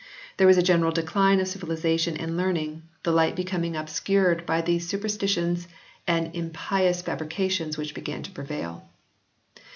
There was a general decline of civilisation and learning, the light becoming obscured I] ANGLO SAXON VERSIONS 11 by the superstitions and impious fabrications which began to prevail.